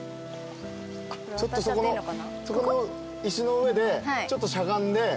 ちょっとそこの石の上でしゃがんで。